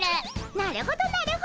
なるほどなるほど。